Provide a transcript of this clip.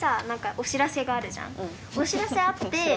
お知らせあるね。